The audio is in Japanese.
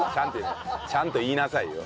ちゃんと言いなさいよ。